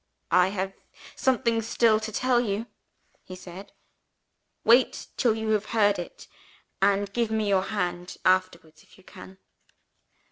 "'I have something still to tell you,' he said. 'Wait till you have heard it; and give me your hand afterwards if you can.'